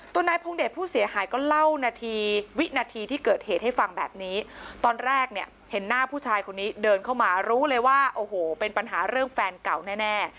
นายพงเดชผู้เสียหายก็เล่านาทีวินาทีที่เกิดเหตุให้ฟังแบบนี้ตอนแรกเนี่ยเห็นหน้าผู้ชายคนนี้เดินเข้ามารู้เลยว่าโอ้โหเป็นปัญหาเรื่องแฟนเก่าแน่แน่